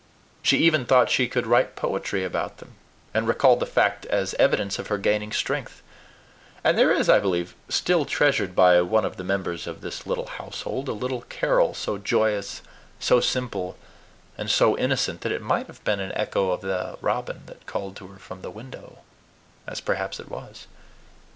She even thought she could write poetry about them, and recalled the fact as evidence of her gaining strength; and there is, I believe, still treasured by one of the members of this little household a little carol so joyous, so simple, and so innocent that it might have been an echo of the robin that called to her from the window, as perhaps it was.